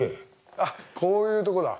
あっこういうとこだ。